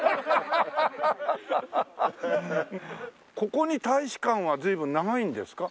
ここに大使館は随分長いんですか？